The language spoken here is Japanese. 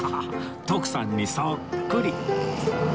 徳さんにそっくり